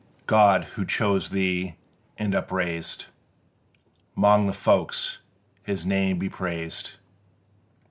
God, who chose thee and upraised 'Mong the folk (His name be praised!)